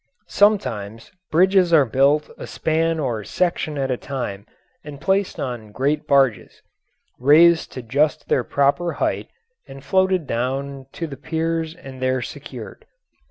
Sometimes bridges are built a span or section at a time and placed on great barges, raised to just their proper height, and floated down to the piers and there secured.